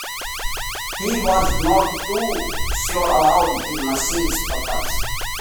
He was not too sure about the machine's purpose.